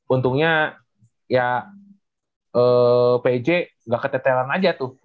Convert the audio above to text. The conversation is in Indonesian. untungnya ya pej gak keteteran aja tuh